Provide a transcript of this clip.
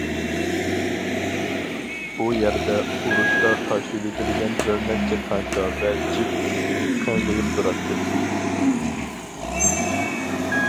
ئۇ يەردە ئۇرۇشتا تاشلىۋېتىلگەن بىر نەچچە تانكا ۋە جىپ قىڭغىيىپ تۇراتتى.